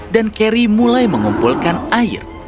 dan carrie mulai mengumpulkan air